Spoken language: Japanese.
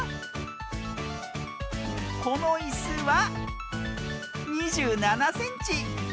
このいすは２７センチ。